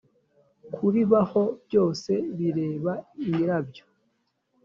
kuribaho byose bireba nyiraryo